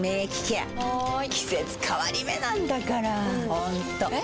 ホントえ？